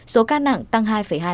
số ca nặng tăng hai hai